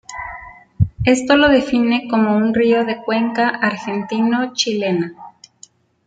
Esto lo define como un río de cuenca argentino-chilena.